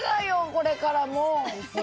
これからもう！